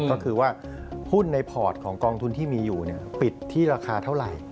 ก็คือว่าหุ้นในพอร์ตของกองทุนที่มีอยู่ปิดที่ราคาเท่าไหร่